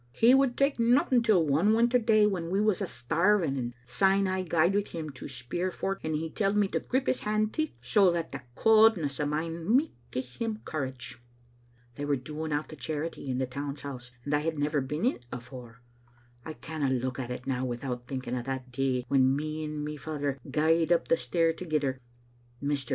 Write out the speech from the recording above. He would tak' nothing till one winter day when we was a* starving, and syne I gaed wi* him to speir for't, and he telled me to grip his hand ticht, so that the cauldness o' mine micht gie him courage. They were doling out the charity in the Town's House, and I had never beenin't afore. I canna look at it now without thinking o' that day When me and my father gaed up the stair thegither. Mr.